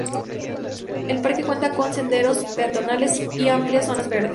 El parque cuenta con senderos peatonales y amplias zonas verdes.